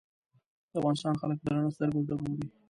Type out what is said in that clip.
د افغانستان خلک په درنه سترګه ورته ګوري.